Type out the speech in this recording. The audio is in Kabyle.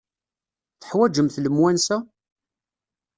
Teḥwajemt lemwansa?